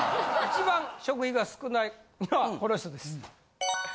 一番食費が少ないのはこの人です。